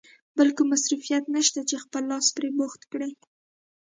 بل کوم مصروفیت نشته چې خپل لاس پرې بوخت کړې.